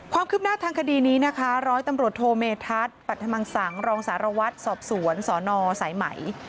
ความคืบหน้าทางคดีนี้นะคะร้อยตำรวจโทเมธัศนปรัฐมังสังรองสารวัตรสอบสวนสนสายไหม